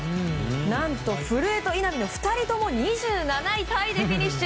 何と古江と稲見の２人とも２７位タイでフィニッシュ。